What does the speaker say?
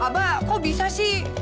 abah kok bisa sih